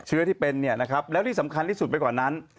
เชื้อที่เป็นเนี่ยนะครับแล้วที่สำคัญที่สุดไปกว่านั้น